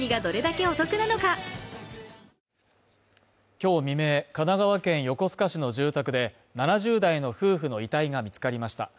今日未明、神奈川県横須賀市の住宅で７０代の夫婦の遺体が見つかりました。